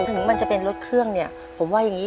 ถึงมันจะเป็นรถเครื่องเนี่ยผมว่าอย่างนี้